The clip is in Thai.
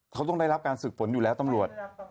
เขาต้องได้รับการฝึกฝนอยู่แล้วตำรวจ